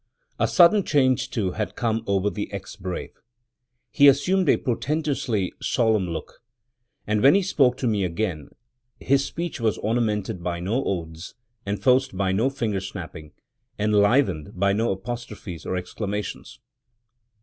A sudden change, too, had come over the "ex brave." He assumed a portentously solemn look; and when he spoke to me again, his speech was ornamented by no oaths, enforced by no finger snapping, enlivened by no apostrophes or exclamations.